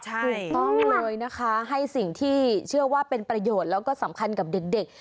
ถูกต้องเลยนะคะให้สิ่งที่เชื่อว่าเป็นประโยชน์แล้วก็สำคัญกับเด็ก